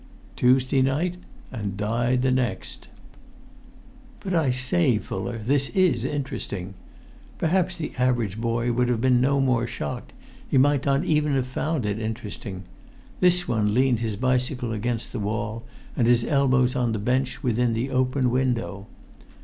"Tuesday night, and died the next." "But I say, Fuller, this is interesting!" Perhaps the average boy would have been no more shocked; he might not even have found it interesting. This one leant his bicycle against the wall, and his elbows on the bench within the open window.